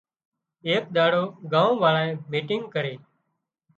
ايڪ ۮاڙو ڳام وازنئي ميٽنگ ڪرِي